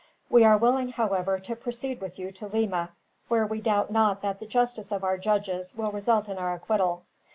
We are willing, however, to proceed with you to Lima; where we doubt not that the justice of our judges will result in our acquittal.